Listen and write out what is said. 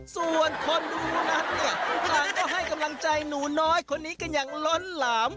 ส่วนคนดูนั้นเนี่ยต่างก็ให้กำลังใจหนูน้อยคนนี้กันอย่างล้นหลาม